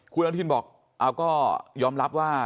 คุณอนุทินบอกเอาก็ยอมรับว่า